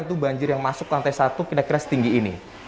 itu banjir yang masuk ke lantai satu kira kira setinggi ini